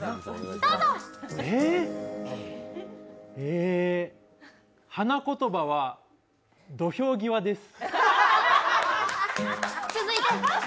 えー花言葉は、土俵際です。